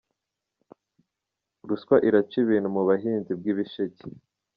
Ruswa iraca ibintu mu bahinzi bw’ibisheke